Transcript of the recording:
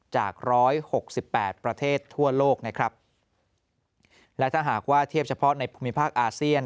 จากร้อยหกสิบแปดประเทศทั่วโลกนะครับและถ้าหากว่าเทียบเฉพาะในภูมิภาคอาเซียน